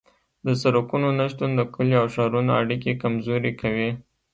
د سرکونو نشتون د کلیو او ښارونو اړیکې کمزورې کوي